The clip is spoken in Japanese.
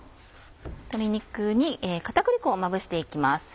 鶏肉に片栗粉をまぶしていきます。